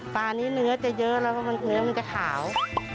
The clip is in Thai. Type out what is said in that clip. ปลานี้เนื้อจะเยอะแล้วก็เนื้อมันจะขาว